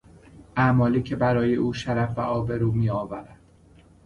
اعمالی که برای او شرف و آبرو میآورد